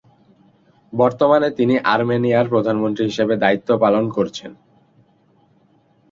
বর্তমানে তিনি আর্মেনিয়ার প্রধানমন্ত্রী হিসেবে দায়িত্ব পালন করছেন।